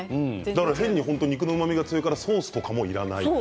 肉のうまみが強いからソースもいらない。